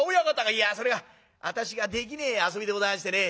「いやそれが私ができねえ遊びでございましてね。